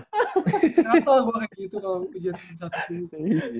kenapa gue kayak gitu kalau ujian jam satu subuh